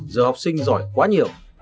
giờ học sinh giỏi quá nhiều